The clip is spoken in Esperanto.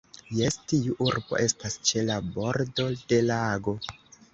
Jes, tiu urbo estas ĉe la bordo de lago.